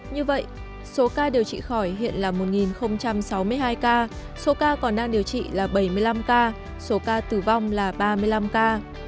như vậy số ca điều trị khỏi hiện là một sáu mươi hai ca số ca còn đang điều trị là bảy mươi năm ca số ca tử vong là ba mươi năm ca